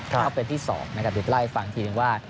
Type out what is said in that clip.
ก็เป็นที่๒นะครับดูไล่ฟังทีนึงว่า